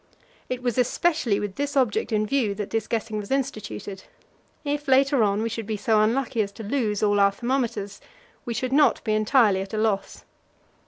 It was especially with this object in view that this guessing was instituted. If later on we should be so unlucky as to lose all our thermometers, we should not be entirely at a loss.